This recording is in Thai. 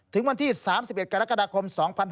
ถึงวันที่๓๑กรกฎาคม๒๕๖๒